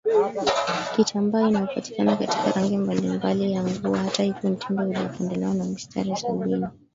kitambaa inayopatikana katika rangi mbalimbali na nguo Hata hivyo mtindo uliopendelewa ni mistari Sabini